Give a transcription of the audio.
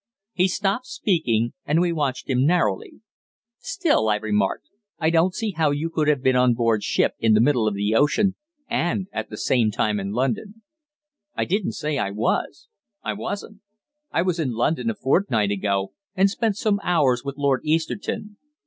He stopped speaking, and we watched him narrowly. "Still," I remarked, "I don't see how you could have been on board ship in the middle of the ocean, and at the same time in London." "I didn't say I was. I wasn't. I was in London a fortnight ago, and spent some hours with Lord Easterton.